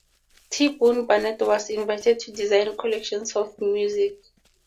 T Bone Burnett was invited to design collections of music.